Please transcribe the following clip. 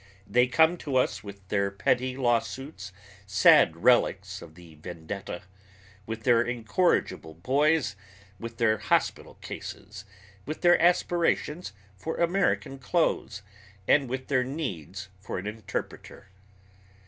They come to us with their petty lawsuits, sad relics of the vendetta, with their incorrigible boys, with their hospital cases, with their aspirations for American clothes, and with their needs for an interpreter.